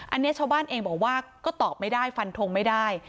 อันนี้ชาวบ้านเองบอกว่าก็ตอบไม่ได้ฟันทงไม่ได้